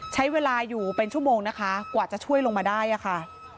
ใช้เวลาอยู่เป็นชั่วโมงนะคะกว่าจะช่วยลงมาได้อะค่ะ